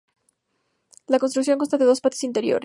La construcción consta de dos patios interiores.